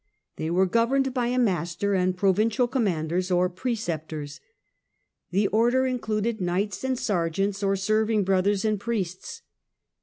They were governed by a Master and provincial commanders or pre ceptors. The Order included knights, sergeants, or serving brothers, and priests.